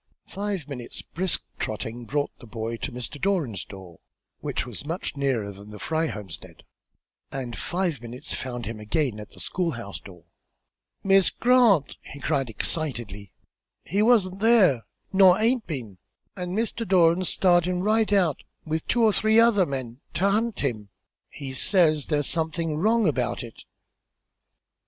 Five minutes' brisk trotting brought the boy to Mr. Doran's door, which was much nearer than the Fry homestead, and less than five minutes found him again at the school house door. "Miss Grant," he cried, excitedly, "he wa'n't there, nor haint been; an' Mr. Doran's startin' right out, with two or three other men, to hunt him. He says there's somethin' wrong about it."